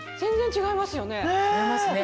違いますね。